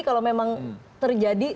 kalau memang terjadi